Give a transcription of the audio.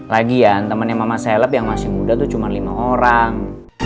lagian temannya mama seleb yang masih muda tuh cuma lima orang